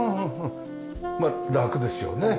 まあラクですよね。